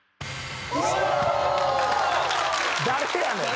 誰やねん。